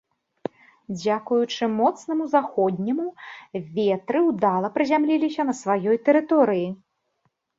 Дзякуючы моцнаму заходняму ветры ўдала прызямліліся на сваёй тэрыторыі.